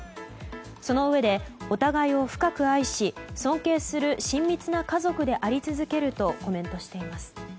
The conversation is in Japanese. そのうえで、お互いを深く愛し尊敬する親密な家族であり続けるとコメントしています。